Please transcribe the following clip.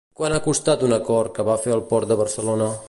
Quant ha costat un acord que va fer el Port de Barcelona?